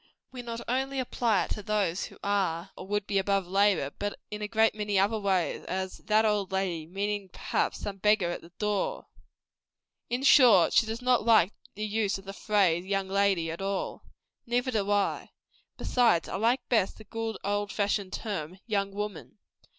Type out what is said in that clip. We not only apply it to those who are, or would be, above labor, but in a great many other ways as that "old lady," meaning, perhaps, some beggar at the door, &c. In short, she does not like the use of the phrase, young lady, at all. Neither do I. Besides, I like best the good old fashioned term, YOUNG WOMAN.